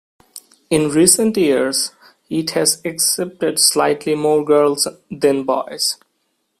In recent years, it has accepted slightly more girls than boys.